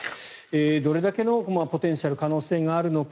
どれだけのポテンシャル可能性があるのか。